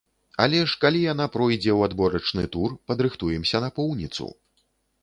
Але ж калі яна пройдзе ў адборачны тур, падрыхтуемся напоўніцу.